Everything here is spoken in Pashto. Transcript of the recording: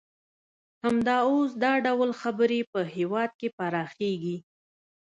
همدا اوس دا ډول خبرې په هېواد کې پراخیږي